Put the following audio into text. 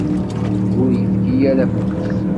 Ur yefki ara afus.